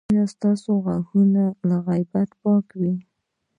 ایا ستاسو غوږونه له غیبت پاک دي؟